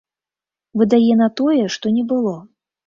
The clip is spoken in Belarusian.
Выдае на тое, што не было.